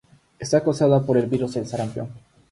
Esta causada por el virus de sarampión.